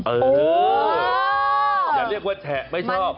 เอออย่าเรียกว่าแฉะไม่ชอบ